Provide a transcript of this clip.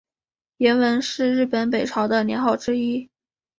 延文是日本北朝的年号之一。